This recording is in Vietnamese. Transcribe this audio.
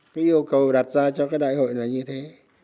cái yêu cầu đặt ra cho cái đại hội này như thế